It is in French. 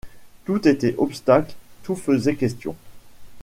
Tout était obstacle, tout faisait question.